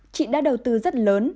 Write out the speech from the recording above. chị đã đầu tư rất lớn